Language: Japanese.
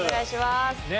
ね